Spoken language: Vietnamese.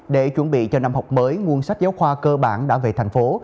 để chuẩn bị cho năm học mới nguồn sách giáo khoa cơ bản đã về thành phố